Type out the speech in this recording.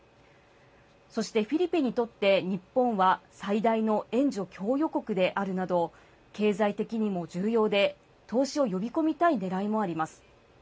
そして、フィリピンにとって、日本は最大の援助供与国であるなど、経済的にも重要で、投資を呼び込みたいねらいもあります。